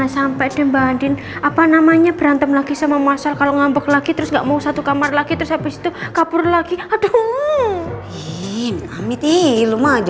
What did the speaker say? sampai jumpa di video selanjutnya